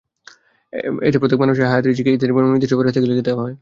এতে প্রত্যেক মানুষের হায়াত, রিজিক, ইত্যাদির পরিমাণ নির্দিষ্ট ফেরেশতাকে লিখে দেওয়া হয়।